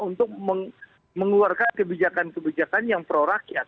untuk mengeluarkan kebijakan kebijakan yang pro rakyat